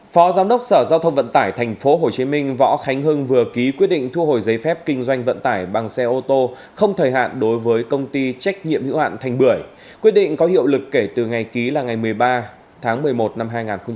phó giám đốc sở giao thông vận tải tp hcm võ khánh hưng vừa ký quyết định thu hồi giấy phép kinh doanh vận tải bằng xe ô tô không thời hạn đối với công ty trách nhiệm hữu hạn thành bưởi quyết định có hiệu lực kể từ ngày ký là ngày một mươi ba tháng một mươi một năm hai nghìn hai mươi